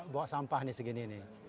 bawa sampah ini segini